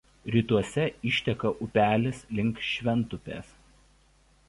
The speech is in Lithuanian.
Rytuose išteka upelis link Šventupės.